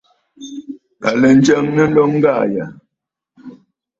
À lɛ njəŋnə nloŋ ŋgaa yàà.